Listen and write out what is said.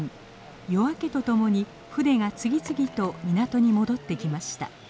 夜明けとともに船が次々と港に戻ってきました。